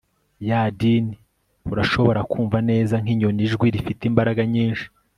ya din urashobora kumva neza nkinyoni ijwi rifite imbaraga nyinshi